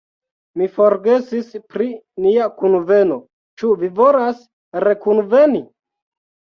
"Mi forgesis pri nia kunveno, ĉu vi volas rekunveni?"